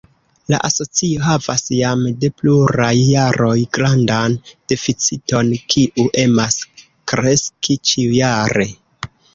La asocio havas jam de pluraj jaroj grandan deficiton, kiu emas kreski ĉiujare.